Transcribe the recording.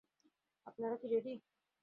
আপনারা কি রেডি?